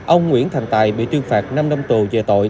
ông nguyễn thành tài bị tuyên phạt năm năm tù về tội